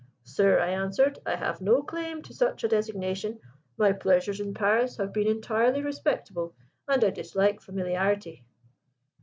'Sir,' I answered, 'I have no claim to such a designation. My pleasures in Paris have been entirely respectable, and I dislike familiarity.'